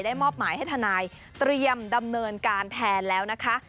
มอบหมายให้ทนายเตรียมดำเนินการแทนแล้วนะคะ